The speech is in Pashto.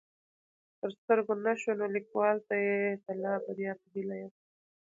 تر سترګو نه شوه نو ليکوال ته يې د لا بريا په هيله يم